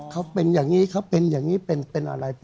เขาเป็นอย่างนี้เขาเป็นอย่างนี้เป็นอะไร